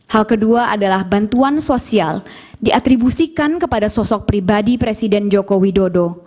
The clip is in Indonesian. hal kedua adalah bantuan sosial diatribusikan kepada sosok pribadi presiden joko widodo